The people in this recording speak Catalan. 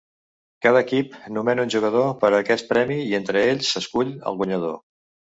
Cada equip nomena un jugador per a aquest premi i entre ells s'escull el guanyador.